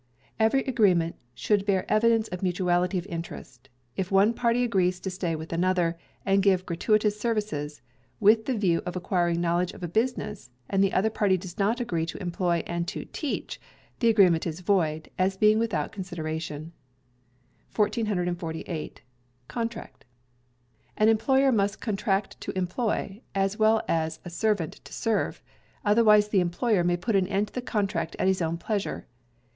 Every Agreement should bear Evidence of Mutuality of interest. If one party agrees to stay with another, and give gratuitous services, with the view of acquiring knowledge of a business, and the other party does not agree to employ and to teach, the agreement is void, as being without consideration. 1448. Contract. An employer must Contract to employ, as well as a servant to serve, otherwise the employer may put an end to the contract at his own pleasure.